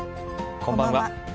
こんばんは。